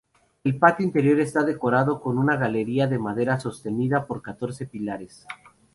El patio interior está decorado con una galería de madera sostenida por catorce pilares.